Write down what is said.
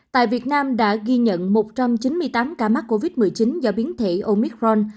tại việt nam đã ghi nhận một trăm chín mươi tám ca mắc covid một mươi chín do biến thể omicron